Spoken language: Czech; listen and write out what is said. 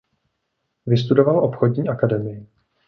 Vystudoval obchodní akademii.